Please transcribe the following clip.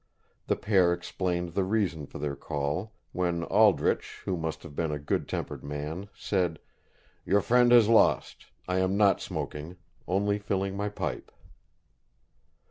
The pair explained the reason for their call, when Aldrich, who must have been a good tempered man, said, "Your friend has lost: I am not smoking, only filling my pipe."